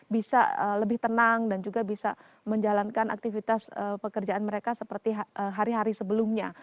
bisa lebih tenang dan juga bisa menjalankan aktivitas pekerjaan mereka seperti hari hari sebelumnya